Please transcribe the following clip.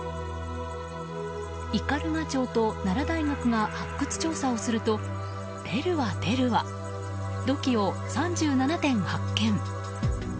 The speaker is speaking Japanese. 斑鳩町と奈良大学が発掘調査をすると出るわ出るわ、土器を３７点発見。